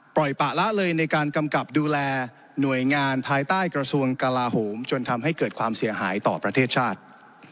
ปะละเลยในการกำกับดูแลหน่วยงานภายใต้กระทรวงกลาโหมจนทำให้เกิดความเสียหายต่อประเทศชาติ